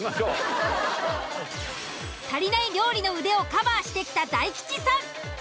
足りない料理の腕をカバーしてきた大吉さん。